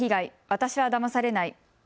私はだまされない。